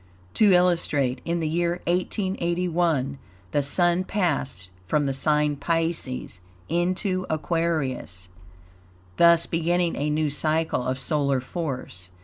To illustrate: In the year 1881 the Sun passed from the sign Pisces into Aquarius, thus beginning a new cycle of solar force.